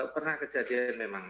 pernah kejadian memang